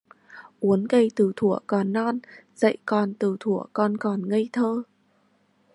Uốn cây từ thuở còn non. Dạy con từ thuở con còn ngây thơ.